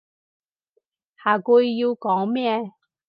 下句要講咩？